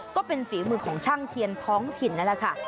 ฝีมือของช่างเทียนท้องถิ่นนั่นแหละค่ะ